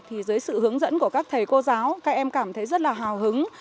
thì dưới sự hướng dẫn của các thầy cô giáo các em cảm thấy rất là hào hứng